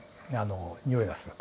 においがすると。